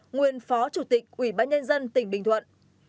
nguyên phó chủ tịch ủy bãi nen dân tỉnh bình thuận